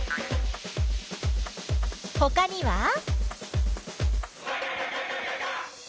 ほかには？